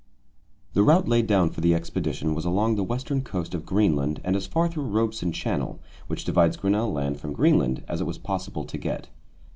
The route laid down for the expedition was along the western coast of Greenland and as far through Robeson Channel, which divides Grinnel Land from Greenland, as it was possible to get.